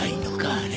あれ。